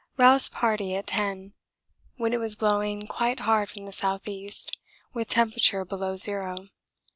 Roused party at 10, when it was blowing quite hard from the S.E., with temperature below zero.